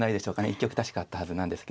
１局確かあったはずなんですけど。